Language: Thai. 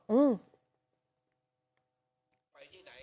อืม